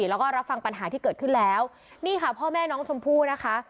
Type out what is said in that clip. แล้วก็รับฟังปัญหาที่เกิดขึ้นแล้วนี่ค่ะพ่อแม่น้องชมพู่นะคะ